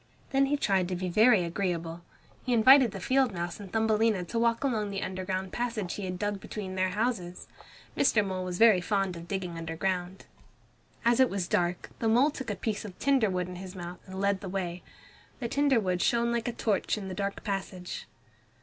Then he tried to be very agreeable. He invited the field mouse and Thumbelina to walk along the underground passage he had dug between their houses. Mr. Mole was very fond of digging underground. As it was dark the mole took a piece of tinder wood in his mouth and led the way. The tinder wood shone like a torch in the dark passage.